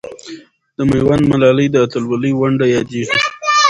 د میوند ملالۍ د اتلولۍ ونډه یادېږي.